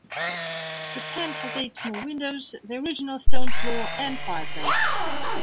The pen has eight small windows, the original stone floor and fireplace.